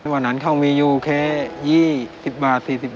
วันนั้นเขามีอยู่แค่๒๐บาท